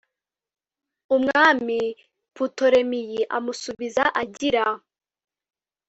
umwami putolemeyi amusubiza agira